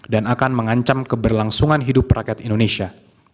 dan akan mengancam keberlangsungan hidup rakyat indonesia